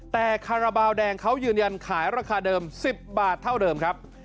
แต่คาราบาลแดงเขายืนยันขายราคาเดิม๑๐บาทเท่าเดิมครับ